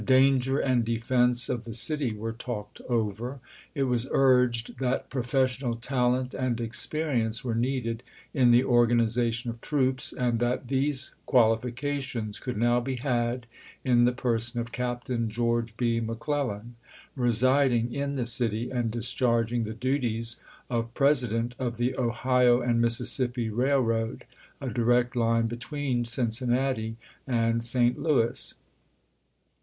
danger and defense of the city were talked over ; it was urged that professional talent and experience were needed in the organization of troops, and that these qualifications could now be had in the person of Captain George B. McClellan, residing in the city and discharging the duties of president of the Ohio and Mississippi Railroad, a direct line between Cincinnati and St. Louis.